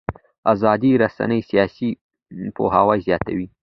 ازادې رسنۍ سیاسي پوهاوی زیاتوي